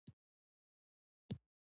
دا په نژدې وختونو کې نه کېدل